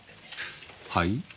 はい？